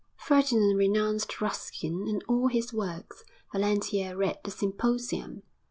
Ferdinand renounced Ruskin and all his works; Valentia read the Symposium.